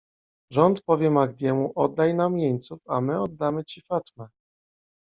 - Rząd powie Mahdiemu: "Oddaj nam jeńców, a my oddamy ci Fatme..."